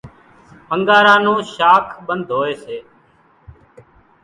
انڳارا نون شاک ٻنڌ هوئيَ سي۔